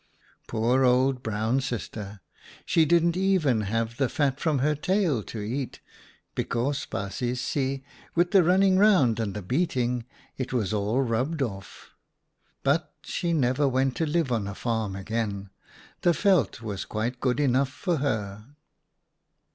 " Poor old Brown Sister ! She didn't even have the fat from her tail to eat, because, baasjes see, with the running round and the beating, it was all rubbed off. But she never went to live on a farm again ; the veld was quite good enough for her."